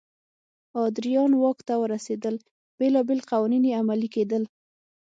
ادریان واک ته ورسېدل بېلابېل قوانین عملي کېدل.